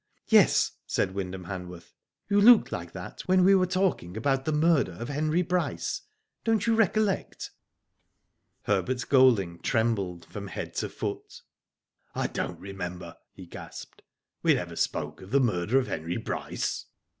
Yes," said Wyndham Hanworth. " You looked like that when we were talking about the murder of Henry Bryce. Don't you recollect ?*' Herbert Golding trembled from head to foot. I don't remember,'' he gasped. '* We never spoke of the murder of Henry Bryce."